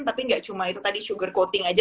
tapi nggak cuma itu tadi syugar coating aja